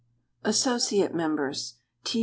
Associate Members. T.